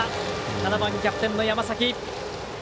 ７番キャプテンの山崎。